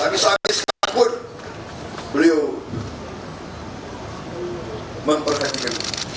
tapi sampai sekarang pun beliau mempertandingkan